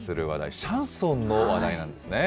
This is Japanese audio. シャンソンの話題なんですね。